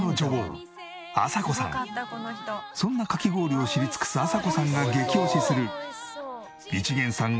そんなかき氷を知り尽くす麻子さんが激推しする一見さん